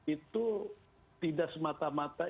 itu tidak semata mata